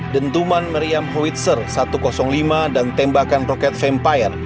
dentuman meriam howitzer satu ratus lima dan tembakan roket vampire